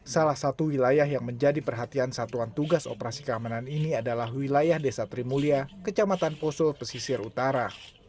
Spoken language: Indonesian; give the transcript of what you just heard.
salah satu wilayah yang menjadi perhatian satuan tugas operasi keamanan ini adalah wilayah desa trimulia kecamatan poso pesisir utara